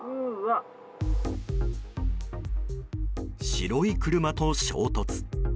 白い車と衝突。